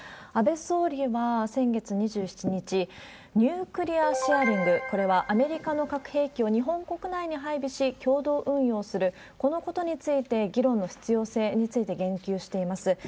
安倍総理は先月２７日、ニュークリア・シェアリング、これはアメリカの核兵器を日本国内に配備し、共同運用する、このことについて議論の必要性について言及しています。